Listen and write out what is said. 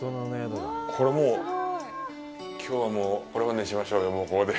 これ、もう、きょうはもうこれまでにしましょうよ、もうここで。